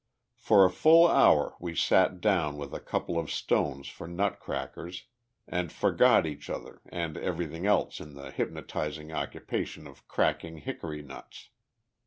For a full hour we sat down with a couple of stones for nut crackers, and forgot each other and everything else in the hypnotizing occupation of cracking hickory nuts.